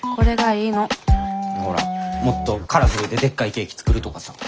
ほらもっとカラフルででっかいケーキ作るとかさ。